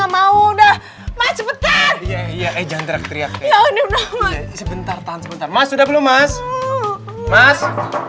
mau udah mas sebentar ya ya jangan teriak teriak sebentar tahan sebentar mas sudah belum mas mas